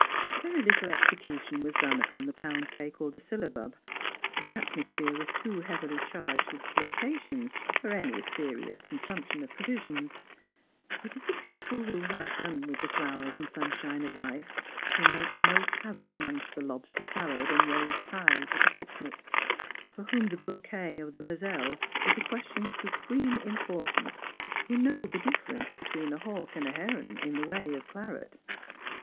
Very little execution was done upon the pound cake or the syllabub. The atmosphere was too heavily charged Avith flirtations for any serious consumption of provisions. It is the people who have done with the flowers and sunshine of life who make most havoc among the lobster salads and raised pies at a picnic — for whom the bouquet of the moselle is a question of supreme importance, who know the difference between a hawk and a heron in the way of claret.